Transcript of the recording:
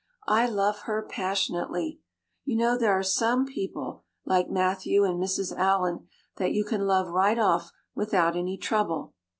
I love her passionately. You know there are some people, like Matthew and Mrs. Allan that you can love right off without any trouble.